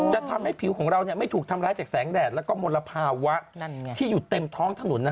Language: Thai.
จะทำให้ผิวของเราไม่ถูกทำร้ายจากแสงแดดแล้วก็มลภาวะที่อยู่เต็มท้องถนน